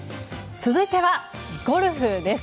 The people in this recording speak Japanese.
続いてはゴルフです。